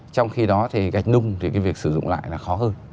trong khi đó thì gạch nung thì cái việc sử dụng lại là khó hơn